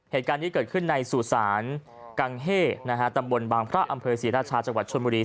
เหตุการณ์นี้เกิดขึ้นในสู่ศาลกังเฮ่นะฮะตำบลบางพระอำเภอศรีราชาจังหวัดชนบุรี